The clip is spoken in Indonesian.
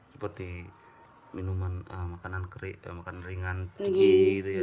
seperti minuman makanan kering makanan ringan ciki gitu ya